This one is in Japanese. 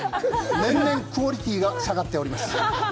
年々クオリティーが下がっております。